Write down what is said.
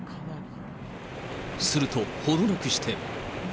すると、程なくして。